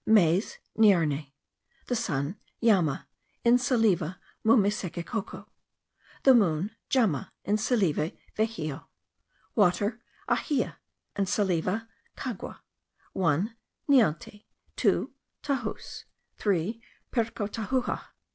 Maize, Niarne. The sun, Jama (in Salive, mume seke cocco). The moon, Jama (in Salive, vexio). Water, Ahia (in Salive, cagua). One, Nianti. Two, Tajus. Three, Percotahuja.